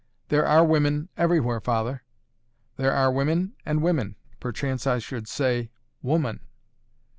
"There are women everywhere, father." "There are women and women. Perchance I should say 'Woman.'"